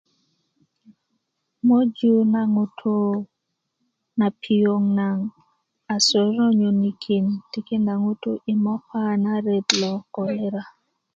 möju na ŋutu' na piyoŋ nagoŋ a soronyonikin tikinda ŋutu' yi moka na ret lo kolera